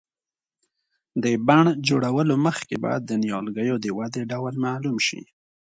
د بڼ جوړولو مخکې باید د نیالګیو د ودې ډول معلوم شي.